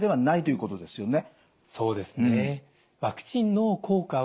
そうですね。